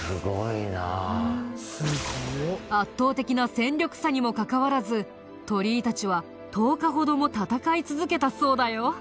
圧倒的な戦力差にもかかわらず鳥居たちは１０日ほども戦い続けたそうだよ。